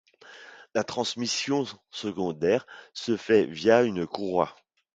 La transmission secondaire se fait via une courroie.